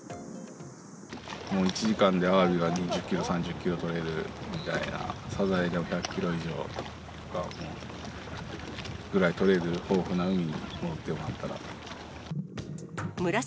１時間でアワビが２０キロ、３０キロ取れるみたいな、サザエは１００キロ以上ぐらい取れる豊富な海に戻ってもらえたら。